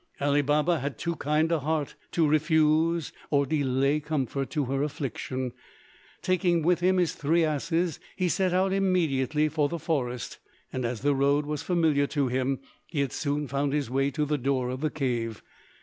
Ali Baba had too kind a heart to refuse or delay comfort to her affliction. Taking with him his three asses he set out immediately for the forest, and as the road was familiar to him he had soon found his way to the door of the cave.